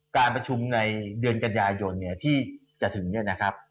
การประชุมในเดือนกันยายนเนี่ยที่จะถึงเนี่ยนะครับ